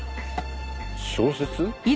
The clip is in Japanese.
小説？